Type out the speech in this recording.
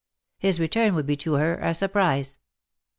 His return would be to her a surprise.